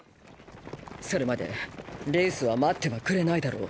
それまでレイスは待ってはくれないだろう。